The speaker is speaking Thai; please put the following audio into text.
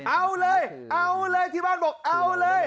เอาเลยเอาเลยที่บ้านบอกเอาเลย